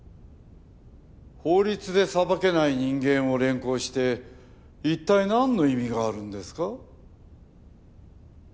法律で裁けない人間を連行して一体何の意味があるんですか？